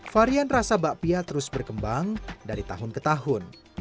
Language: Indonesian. varian rasa bakpia terus berkembang dari tahun ke tahun